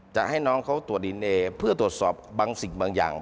จะให้น้องเขาตรวจดีเอนเอเพื่อตรวจสอบบางสิ่งบางอย่าง